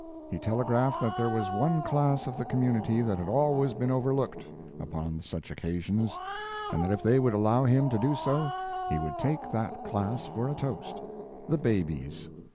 He telegraphed that there was one class of the community that had always been overlooked upon such occasions, and that if they would allow him to do so he would take that class for a toast: the babies.